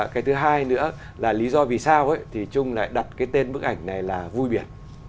cái thứ hai nữa là lý do vì sao thì trung lại đặt cái tên bức ảnh này là vui biển